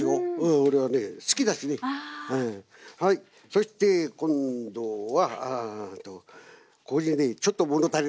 そして今度はこれじゃあねちょっと物足りない。